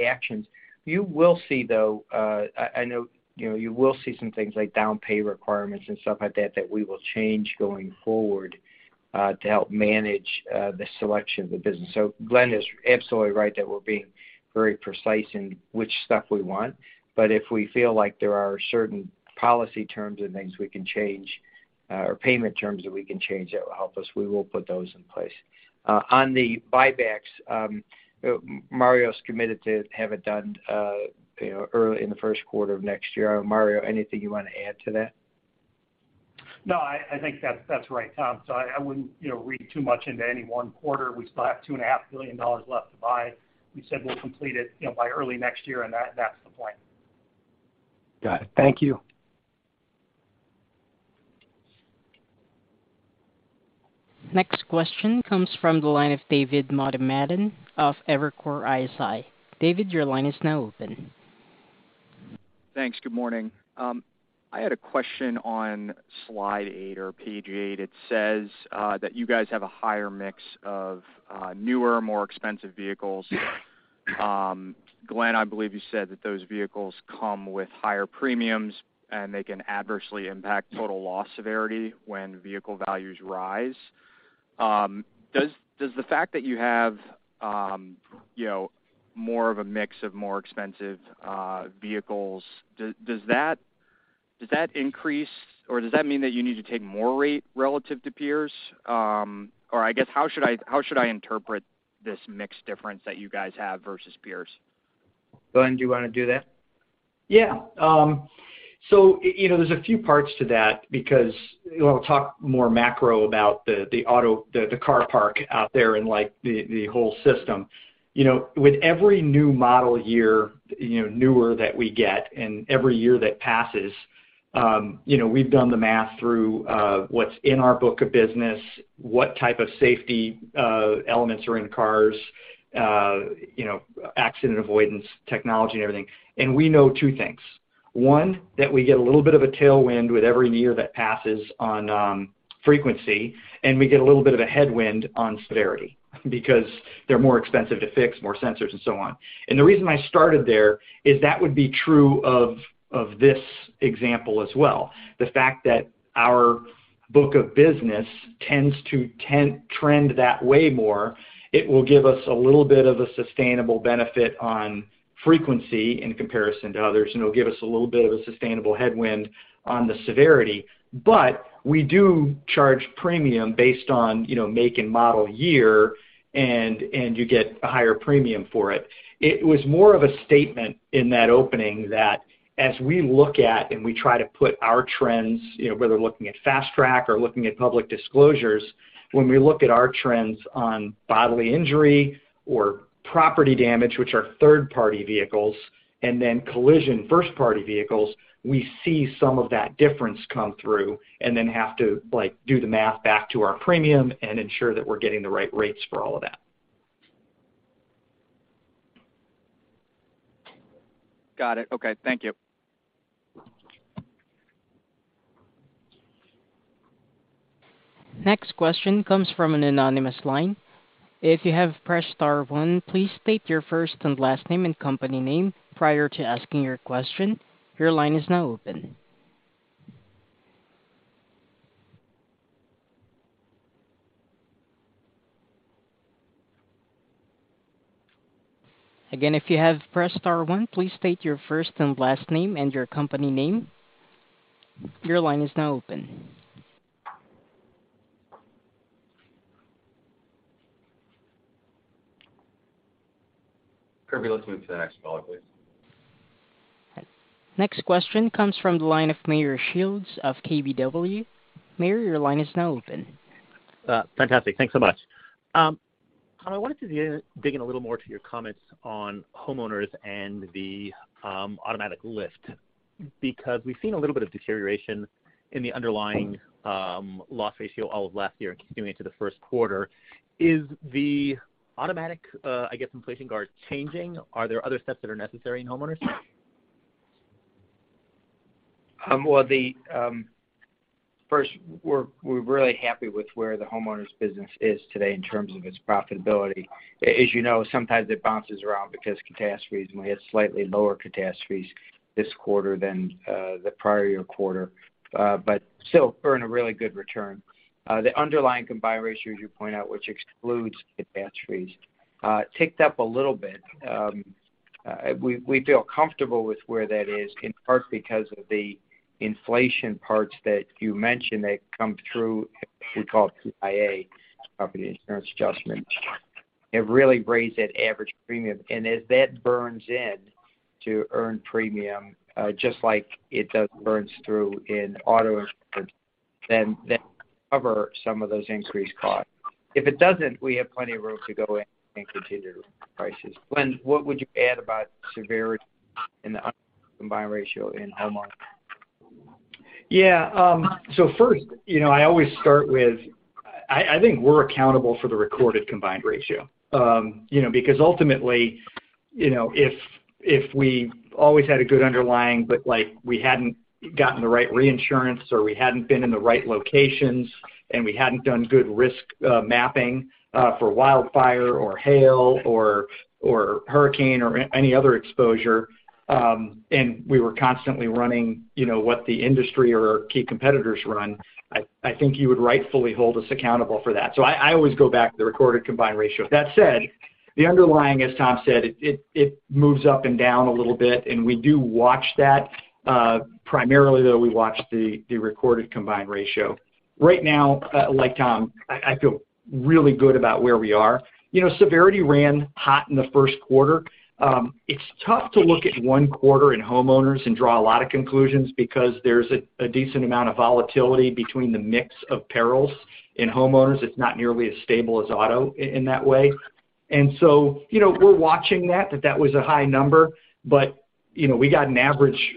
actions. You will see, though, you know, you will see some things like down payment requirements and stuff like that we will change going forward, to help manage the selection of the business. Glenn is absolutely right that we're being very precise in which stuff we want. If we feel like there are certain policy terms and things we can change, or payment terms that we can change that will help us, we will put those in place. On the buybacks, Mario's committed to have it done, you know, early in the first quarter of next year. Mario, anything you wanna add to that? No, I think that's right, Tom. I wouldn't, you know, read too much into any one quarter. We still have $2500 billion left to buy. We said we'll complete it, you know, by early next year, and that's the plan. Got it. Thank you. Next question comes from the line of David Motemaden of Evercore ISI. David, your line is now open. Thanks. Good morning. I had a question on slide eight or page eight. It says that you guys have a higher mix of newer, more expensive vehicles. Glenn, I believe you said that those vehicles come with higher premiums, and they can adversely impact total loss severity when vehicle values rise. Does the fact that you have you know, more of a mix of more expensive vehicles, does that increase or does that mean that you need to take more rate relative to peers? Or I guess, how should I interpret this mix difference that you guys have versus peers? Glen, do you wanna do that? Yeah. So, you know, there's a few parts to that because, you know, I'll talk more macro about the auto, the car park out there and, like, the whole system. You know, with every new model year, you know, newer that we get and every year that passes, you know, we've done the math through what's in our book of business, what type of safety elements are in cars, you know, accident avoidance technology and everything, and we know two things. One, that we get a little bit of a tailwind with every year that passes on frequency, and we get a little bit of a headwind on severity because they're more expensive to fix, more sensors and so on. The reason I started there is that would be true of this example as well. The fact that our book of business tends to trend that way more, it will give us a little bit of a sustainable benefit on frequency in comparison to others, and it'll give us a little bit of a sustainable headwind on the severity. We do charge premium based on, you know, make and model year, and you get a higher premium for it. It was more of a statement in that opening that as we look at and we try to put our trends, you know, whether looking at Fast Track or looking at public disclosures, when we look at our trends on Bodily Injury or Property Damage, which are third-party vehicles, and then collision first-party vehicles, we see some of that difference come through, and then have to, like, do the math back to our premium and ensure that we're getting the right rates for all of that. Got it. Okay. Thank you. Next question comes from an anonymous line. If you have pressed star one, please state your first and last name and company name prior to asking your question. Your line is now open. Again, if you have pressed star one, please state your first and last name and your company name. Your line is now open. Kirby, let's move to the next caller, please. Next question comes from the line of Meyer Shields of KBW. Meyer, your line is now open. Fantastic. Thanks so much. I wanted to dig in a little more to your comments on homeowners and the automatic lift because we've seen a little bit of deterioration in the underlying loss ratio all of last year and continuing into the first quarter. Is the automatic I guess inflation guard changing? Are there other steps that are necessary in homeowners? Well, first, we're really happy with where the homeowners business is today in terms of its profitability. As you know, sometimes it bounces around because catastrophes, and we had slightly lower catastrophes this quarter than the prior year quarter, but still earn a really good return. The underlying combined ratio, as you point out, which excludes catastrophes, ticked up a little bit. We feel comfortable with where that is, in part because of the inflation parts that you mentioned that come through, we call QIA, company insurance adjustment. It really raised that average premium. As that burns in to earn premium, just like it does burns through in auto insurance, then that cover some of those increased costs. If it doesn't, we have plenty of room to go in and continue prices. Glenn, what would you add about severity in the combined ratio in homeowners? Yeah. First, you know, I always start with, I think we're accountable for the recorded combined ratio. You know, because ultimately, you know, if we always had a good underlying, but, like, we hadn't gotten the right reinsurance, or we hadn't been in the right locations, and we hadn't done good risk mapping for wildfire or hail or hurricane or any other exposure, and we were constantly running, you know, what the industry or our key competitors run, I think you would rightfully hold us accountable for that. I always go back to the recorded combined ratio. That said, the underlying, as Tom said, it moves up and down a little bit, and we do watch that. Primarily, though, we watch the recorded combined ratio. Right now, like Tom, I feel really good about where we are. You know, severity ran hot in the first quarter. It's tough to look at one quarter in homeowners and draw a lot of conclusions because there's a decent amount of volatility between the mix of perils in homeowners. It's not nearly as stable as auto in that way. You know, we're watching that. That was a high number. You know, we got an average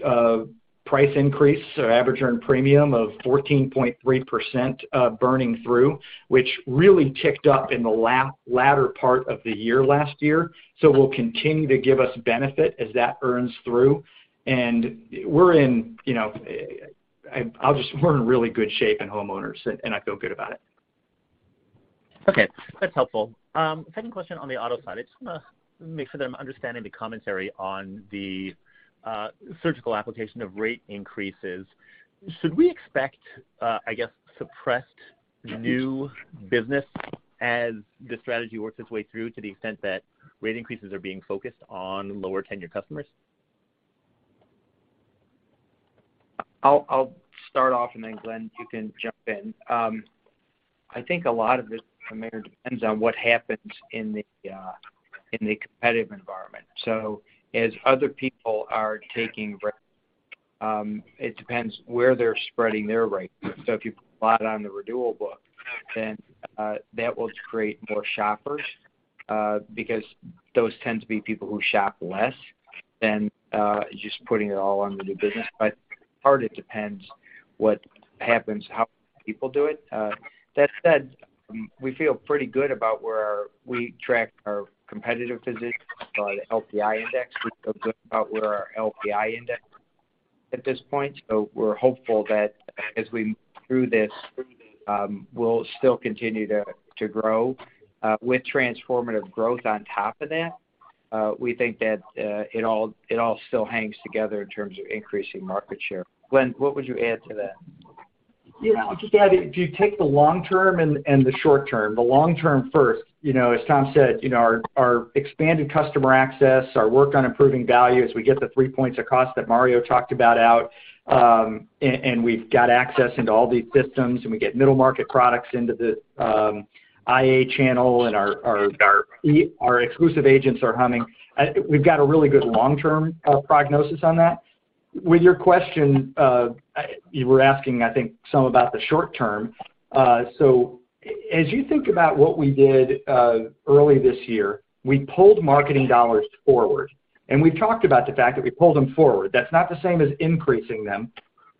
price increase or average earned premium of 14.3%, burning through, which really ticked up in the latter part of the year last year. Will continue to give us benefit as that earns through. We're in really good shape in homeowners, you know, and I feel good about it. Okay, that's helpful. Second question on the auto side. I just wanna make sure that I'm understanding the commentary on the surgical application of rate increases. Should we expect, I guess, suppressed new business as this strategy works its way through to the extent that rate increases are being focused on lower tenure customers? I'll start off, and then Glen, you can jump in. I think a lot of this, Meyer, depends on what happens in the competitive environment. As other people are taking rates, it depends where they're spreading their rate. If you plot on the renewal book, then that will create more shoppers, because those tend to be people who shop less than just putting it all on the new business. Part it depends what happens, how people do it. That said, we feel pretty good about where we track our competitive position by the LPI index. We feel good about where our LPI index at this point. We're hopeful that as we move through this, we'll still continue to grow with transformative growth on top of that. We think that it all still hangs together in terms of increasing market share. Glen, what would you add to that? You know, just add, if you take the long term and the short term, the long term first, you know, as Tom said, you know, our expanded customer access, our work on improving value as we get the three points of cost that Mario talked about out, and we've got access into all these systems, and we get middle market products into the IA channel and our exclusive agents are humming. We've got a really good long-term prognosis on that. With your question, you were asking, I think, some about the short term. So as you think about what we did early this year, we pulled marketing dollars forward. We've talked about the fact that we pulled them forward. That's not the same as increasing them.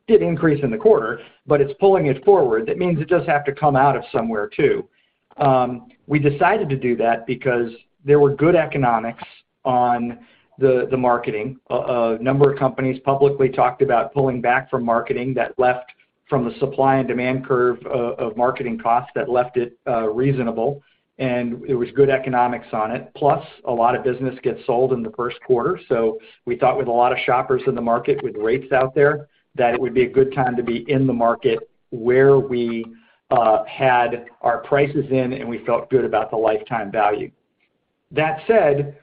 It did increase in the quarter, but it's pulling it forward. That means it does have to come out of somewhere too. We decided to do that because there were good economics on the marketing. A number of companies publicly talked about pulling back from marketing that left the supply and demand curve of marketing costs that left it reasonable, and it was good economics on it. A lot of business gets sold in the first quarter. We thought with a lot of shoppers in the market with rates out there, that it would be a good time to be in the market where we had our prices in, and we felt good about the lifetime value. That said,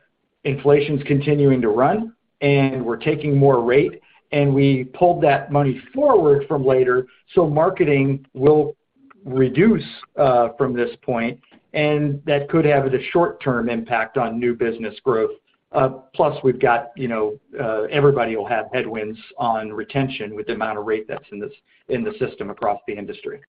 inflation's continuing to run, and we're taking more rate, and we pulled that money forward from later, so marketing will reduce from this point, and that could have a short-term impact on new business growth. Plus we've got, you know, everybody will have headwinds on retention with the amount of rate that's in the system across the industry.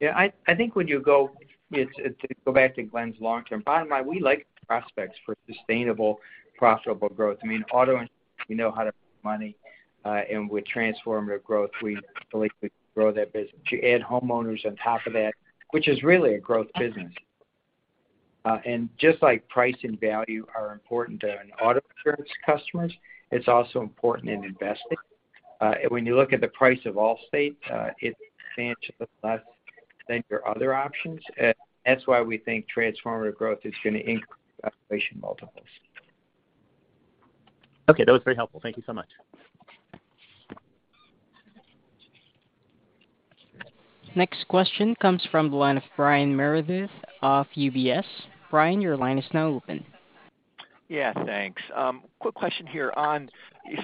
Yeah. I think when you go, you know, to go back to Glenn's long term, bottom line, we like prospects for sustainable, profitable growth. I mean, auto insurance, we know how to make money, and with transformative growth, we believe we can grow that business. If you add homeowners on top of that, which is really a growth business. Just like price and value are important to an auto insurance customer, it's also important in investing. When you look at the price of Allstate, it's less than your other options. That's why we think transformative growth is gonna increase valuation multiples. Okay. That was very helpful. Thank you so much. Next question comes from the line of Brian Meredith of UBS. Brian, your line is now open. Yeah. Thanks. Quick question here. On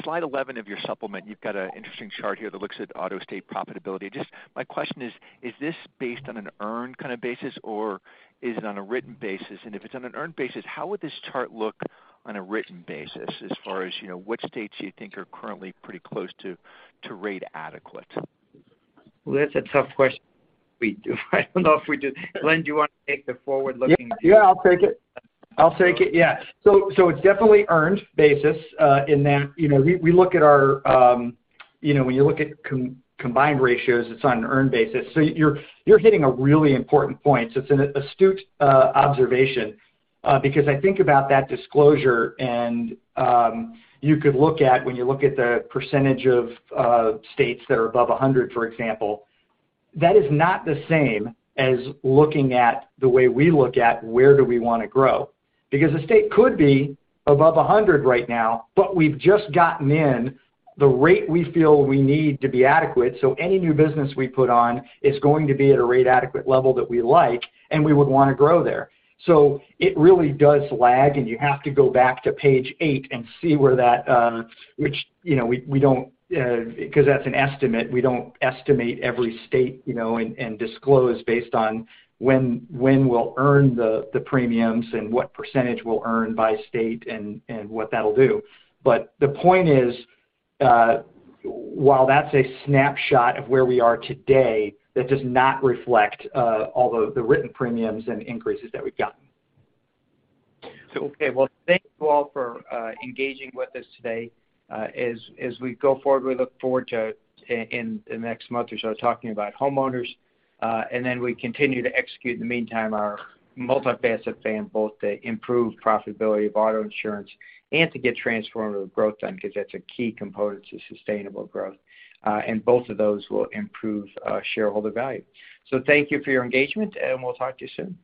slide 11 of your supplement, you've got a interesting chart here that looks at Allstate profitability. Just my question is this based on an earned kind of basis, or is it on a written basis? And if it's on an earned basis, how would this chart look on a written basis as far as, you know, which states you think are currently pretty close to rate adequacy? Well, that's a tough question. We do. I don't know if we do. Glen, do you wanna take the forward-looking view? Yeah, I'll take it. Yeah. It's definitely earned basis, in that, you know, we look at our, you know, when you look at combined ratios, it's on an earned basis. You're hitting a really important point. It's an astute observation, because I think about that disclosure and, you could look at, when you look at the percentage of states that are above 100, for example, that is not the same as looking at the way we look at where do we wanna grow. Because the state could be above 100 right now, but we've just gotten the rate we feel we need to be adequate, so any new business we put on is going to be at a rate adequate level that we like, and we would wanna grow there. It really does lag, and you have to go back to page eight and see where that which, you know, we don't, because that's an estimate, we don't estimate every state, you know, and disclose based on when we'll earn the premiums and what percentage we'll earn by state and what that'll do. The point is, while that's a snapshot of where we are today, that does not reflect all the written premiums and increases that we've gotten. Okay. Well, thank you all for engaging with us today. As we go forward, we look forward to, in the next month or so, talking about homeowners, and then we continue to execute in the meantime our multi-faceted plan, both to improve profitability of auto insurance and to get transformative growth done 'cause that's a key component to sustainable growth. Both of those will improve shareholder value. Thank you for your engagement, and we'll talk to you soon.